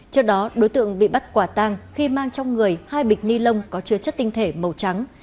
trước đó đối tượng bị bắt quả tang khi mang trong người hai bịch ni lông có chứa chất tinh thể màu trắng